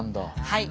はい。